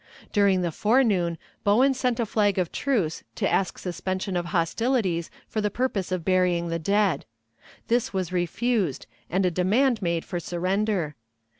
During the forenoon Bowen sent a flag of truce to ask suspension of hostilities for the purpose of burying the dead. This was refused, and a demand made for surrender.